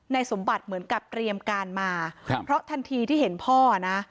สมบัติเหมือนกับเตรียมการมาครับเพราะทันทีที่เห็นพ่อนะ